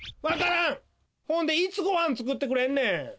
ほんでいつごはんつくってくれんねん！